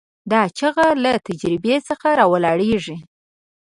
دا چیغه له تجربې څخه راولاړېږي.